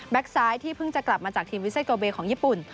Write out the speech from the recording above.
ซ้ายที่เพิ่งจะกลับมาจากทีมวิเซโกเบของญี่ปุ่น